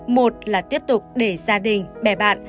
một là tiếp tục để gia đình bè bạn